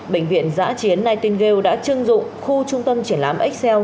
bệnh viện giã chiến nightingale đã chưng dụng khu trung tâm triển lãm excel